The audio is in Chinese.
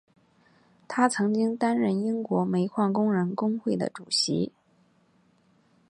他曾经担任英国煤矿工人工会的主席。